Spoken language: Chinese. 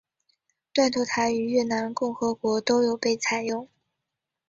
断头台于越南共和国都有被采用。